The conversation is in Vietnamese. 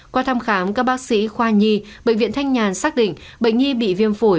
qua thăm khám các bác sĩ khoa nhi bệnh viện thanh nhàn xác định bệnh nhi bị viêm phổi